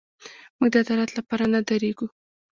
موږ د عدالت لپاره نه درېږو.